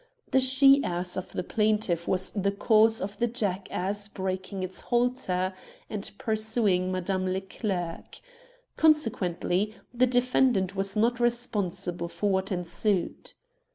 The she ass of the plaintiff was the cause of the jackass breaking its halter and pursuing Madame Leclerc. Consequently the defendant was not responsible for what ensued.